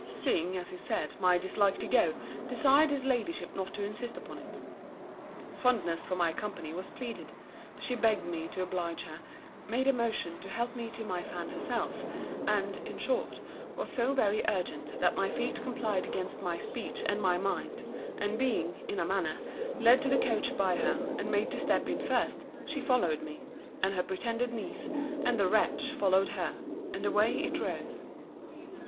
seeing, as he said, my dislike to go, desired his Ladyship not to insist upon it. Fondness for my company was pleaded. She begged me to oblige her: made a motion to help me to my fan herself: and, in short, was so very urgent, that my feet complied against my speech and my mind: and being, in a manner, led to the coach by her, and made to step in first, she followed me: and her pretended niece, and the wretch, followed her: and away it drove.